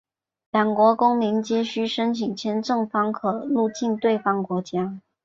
两国公民皆须申请签证方可入境对方国家。